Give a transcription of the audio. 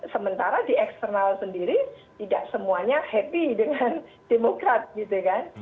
sementara di eksternal sendiri tidak semuanya happy dengan demokrat gitu kan